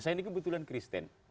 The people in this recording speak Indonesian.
saya ini kebetulan kristen